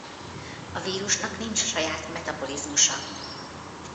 A vírusnak nincs saját metabolizmusa.